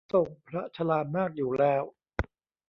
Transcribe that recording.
ทรงพระชรามากอยู่แล้ว